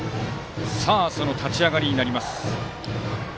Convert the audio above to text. その立ち上がりになります。